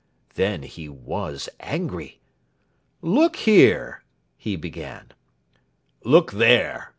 Then he was angry. "Look here!" he began. "Look there!"